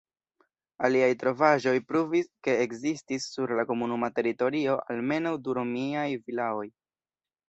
Aliaj trovaĵoj pruvis, ke ekzistis sur la komunuma teritorio almenaŭ du romiaj vilaoj.